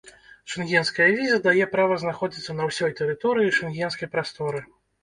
Шэнгенская віза дае права знаходзіцца на ўсёй тэрыторыі шэнгенскай прасторы.